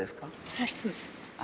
はい、そうです。